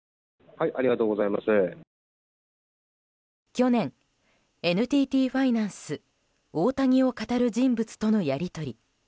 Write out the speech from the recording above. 去年、ＮＴＴファイナンスオオタニをかたる人物とのやり取り。